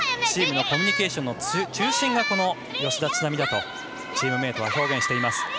チームのコミュニケーションの中心がこの吉田知那美だとチームメートは表現しています。